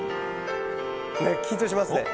緊張しますね。